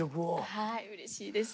はいうれしいです。